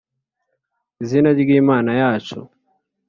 Izina ry imana yacu